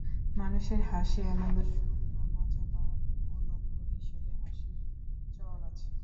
মানুষের হাসি আনন্দ, সুখ, বা মজা পাওয়ার উপলক্ষ হিসেবে হাসির চল আছে।